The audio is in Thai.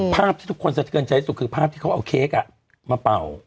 ภาพที่ทุกคนสะเทือนใจที่สุดคือภาพที่เขาเอาเค้กมาเป่า